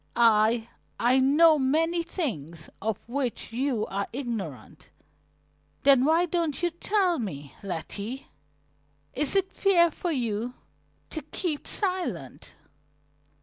I I know many things of which you are ignorant." "Then why don't you tell me, Letty? Is it fair for you to keep silent?"